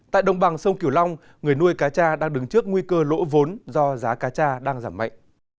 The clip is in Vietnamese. tại đồng bằng sông kiểu long người nuôi cá tra đang đứng trước nguy cơ lỗ vốn do giá cá cha đang giảm mạnh